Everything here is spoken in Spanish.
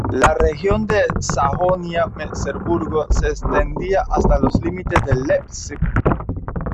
La región de Sajonia-Merseburgo se extendía hasta los límites de Leipzig.